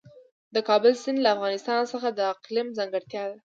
د کابل سیند د افغانستان د اقلیم ځانګړتیا ده.